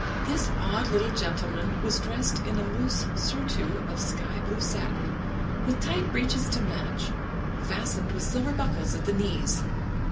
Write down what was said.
This odd little gentleman was dressed in a loose surtout of sky blue satin, with tight breeches to match, fastened with silver buckles at the knees.